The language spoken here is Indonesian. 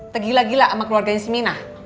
tegila gila sama keluarganya si minah